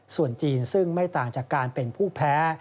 ส่วนจีนซึ่งไม่ต่างจากการเป็นผู้แพ้